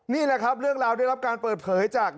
นี่แหละครับเรื่องราวได้รับการเปิดเผยจาก